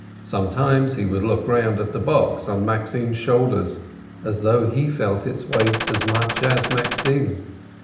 Sometimes he would look round at the box on Maxim's shoulders, as though he felt its weight as much as Maxim.